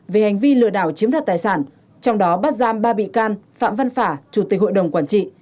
về hành vi lừa đảo chiếm đoạt tài sản trong đó bắt giam ba bị can phạm văn phả chủ tịch hội đồng quản trị